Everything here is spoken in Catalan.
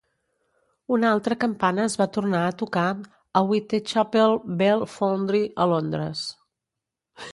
Una altra campana es va tornar a tocar a Whitechapel Bell Foundry a Londres.